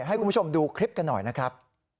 ให้คุณผู้ชมดูคลิปกันหน่อยนะครับ